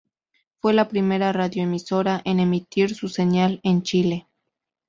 Fue la primera radioemisora en emitir su señal en Chile.